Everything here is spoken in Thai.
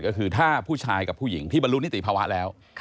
ก็คือถ้าผู้ชายกับผู้หญิงที่บรรลุนิติภาวะแล้ว